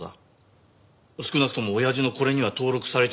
少なくとも親父のこれには登録されてない人物からって事。